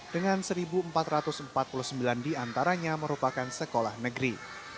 dengan satu empat ratus empat puluh sembilan diantaranya merupakan sekolah negeri